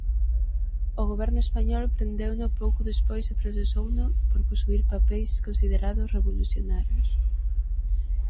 O goberno español prendeuno pouco despois e procesouno por posuír papeis considerados revolucionarios.